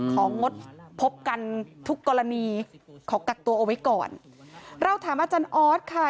งดพบกันทุกกรณีขอกักตัวเอาไว้ก่อนเราถามอาจารย์ออสค่ะ